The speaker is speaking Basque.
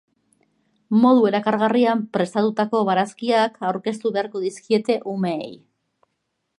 Modu erakargarrian prestatutako barazkiak aurkeztu beharko dizkiete umeei.